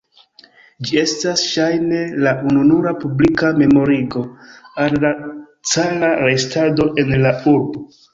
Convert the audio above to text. Ĝi estas ŝajne la ununura publika memorigo al la cara restado en la urbo.